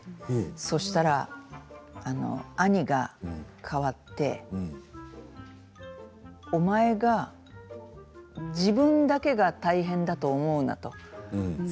そうしたら兄がかわってお前が自分だけが大変だと思うなと。